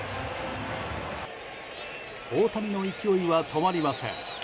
大谷の勢いは止まりません。